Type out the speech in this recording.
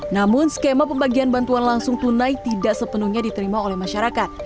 namun skema pembagian bantuan langsung tunai tidak sepenuhnya diterima oleh masyarakat